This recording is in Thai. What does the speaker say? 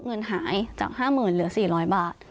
เงินหายจาก๕๐๐๐เหลือ๔๐๐บาท